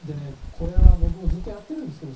これは僕もずっとやってるんですけど。